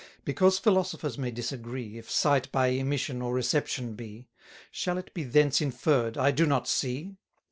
Because philosophers may disagree If sight by emission or reception be, Shall it be thence inferr'd, I do not see?